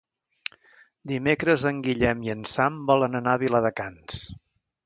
Dimecres en Guillem i en Sam volen anar a Viladecans.